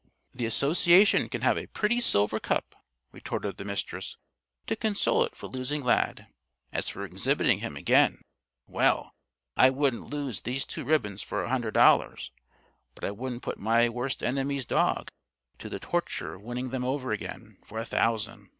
"The Association can have a pretty silver cup," retorted the Mistress, "to console it for losing Lad. As for exhibiting him again well, I wouldn't lose these two ribbons for a hundred dollars, but I wouldn't put my worst enemy's dog to the torture of winning them over again for a thousand.